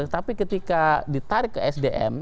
tapi ketika ditarik ke sdm